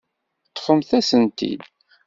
Ṭṭfemt-as-tent-id.